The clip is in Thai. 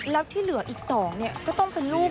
แล้วที่เหลืออีก๒ก็ต้องเป็นลูก